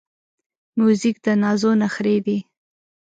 موزیک د نازو نخری دی.